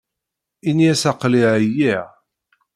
Ini-as aql-i ɛyiɣ.